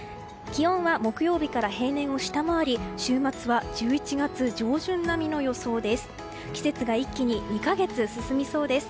気温は木曜日から平年を下回り週末は１１月上旬並みの予想です。